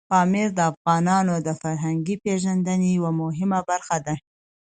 پامیر د افغانانو د فرهنګي پیژندنې یوه مهمه برخه ده.